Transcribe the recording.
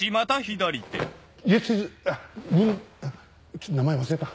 ちょっと名前忘れた。